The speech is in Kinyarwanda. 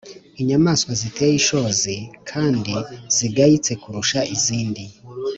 inyamaswa ziteye ishozi kandi zigayitse kurusha izindi,